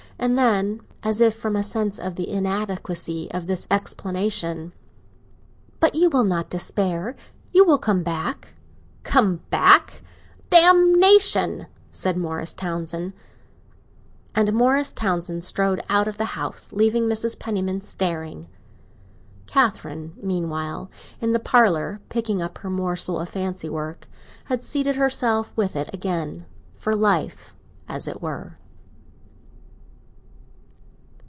And then, as if from a sense of the inadequacy of this explanation, "But you will not despair—you will come back?" "Come back? Damnation!" And Morris Townsend strode out of the house, leaving Mrs. Penniman staring. Catherine, meanwhile, in the parlour, picking up her morsel of fancy work, had seated herself with it again—for life, as it were.